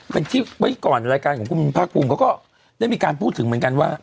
เป็นที่ไว้ก่อนรายการของคุณภาคภูมิเขาก็ได้มีการพูดถึงเหมือนกันว่า